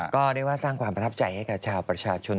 ก็เรียกว่าสร้างความประทับใจให้กับชาวประชาชน